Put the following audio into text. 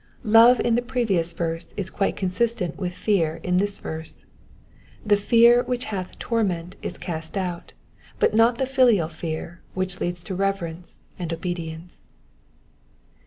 Love in the previous verse is quite consistent with fear in this verse : the fear which hath torment is cast out, but not the filial fear which leads to reverence and obedience.